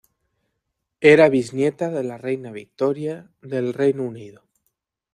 Era bisnieta de la reina Victoria del Reino Unido.